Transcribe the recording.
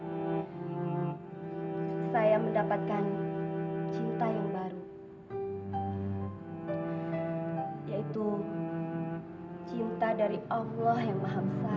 hai saya mendapatkan cinta yang baru yaitu cinta dari allah yang maha besar